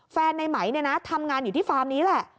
ในไหมเนี่ยนะทำงานอยู่ที่ฟาร์มนี้แหละ